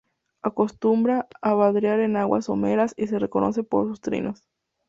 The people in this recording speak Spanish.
Acostumbra a vadear en aguas someras y se reconoce por sus trinos.